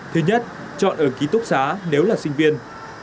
thứ nhất chọn ở ký túc xá nếu là sinh viên